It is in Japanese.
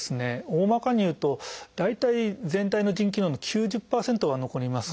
大まかにいうと大体全体の腎機能の９０％が残ります。